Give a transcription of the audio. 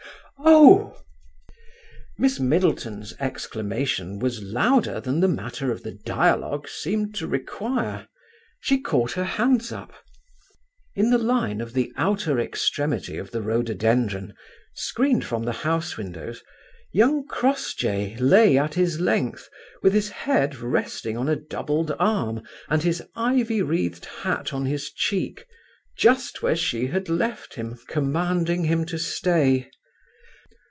"Oh!" Miss Middleton's exclamation was louder than the matter of the dialogue seemed to require. She caught her hands up. In the line of the outer extremity of the rhododendron, screened from the house windows, young Crossjay lay at his length, with his head resting on a doubled arm, and his ivy wreathed hat on his cheek, just where she had left him, commanding him to stay.